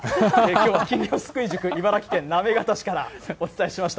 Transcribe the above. きょうは金魚すくい塾、茨城県行方市からお伝えしました。